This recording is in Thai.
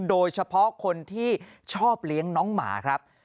โดยเฉพาะคนที่ชอบเลี้ยงน้องหมาครับ